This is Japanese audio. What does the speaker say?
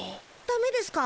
だめですか？